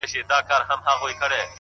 ستا د ميني پـــه كـــورگـــي كـــــي”